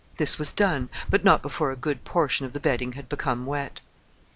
This was done, but not before a good portion of the bedding had become wet.